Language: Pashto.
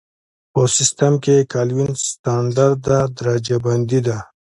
په سیسټم کې کلوین ستندرده درجه بندي ده.